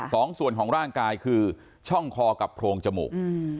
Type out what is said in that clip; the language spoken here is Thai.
สองส่วนของร่างกายคือช่องคอกับโพรงจมูก